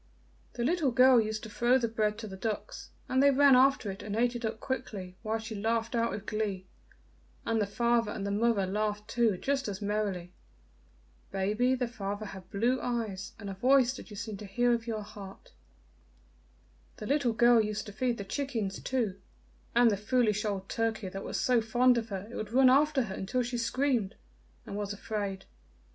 The little girl used to throw the bread to the ducks, and they ran after it and ate it up quickly, while she laughed out with glee, and the father and the mother laughed too just as merrily. Baby, the father had blue eyes, and a voice that you seemed to hear with your heart. "The little girl used to feed the chickens too, and the foolish old turkey that was so fond of her it would run after her until she screamed and was afraid.